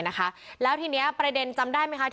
นะคะแล้วทีนี้ประเด็นจำได้ไหมคะ